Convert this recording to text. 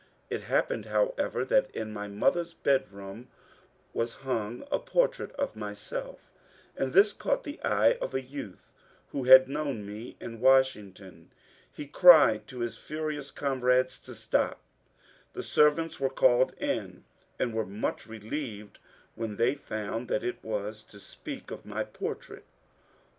It happened, howc^ver, that in my mother's bedroom was hung a portrait of myself, and this caught the eye of a youth who had known me in Washington. He cried to his furious comrades to stop. The servants were called in, and were much relieved when they found that it was to speak of my portrait.